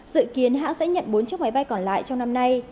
dự kiến hãng sẽ nhận bốn chiếc máy bay còn lại trong năm nay